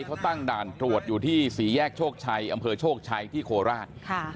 เขาตั้งด่านตรวจอยู่ที่สี่แยกโชคชัยอำเภอโชคชัยที่โคราช